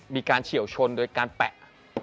มีการเฉี่ยวชนโดยการแปะ